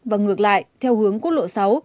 và ngược lại theo hướng quốc lộ sáu